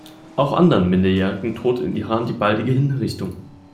Auch anderen Minderjährigen droht in Iran die baldige Hinrichtung.